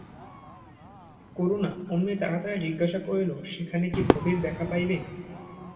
করুণা অমনি তাড়াতাড়ি জিজ্ঞাসা করিল সেখানে কি ভবির দেখা পাইবে!